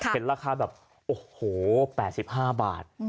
เห็นราคาแบบโอ้โห๘๕บาท